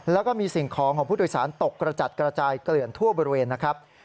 แล้วก็มีสิ่งของของผู้โดยสารตกกระจัดกระจายเกลื่อนทั่วบริเวณนะครับ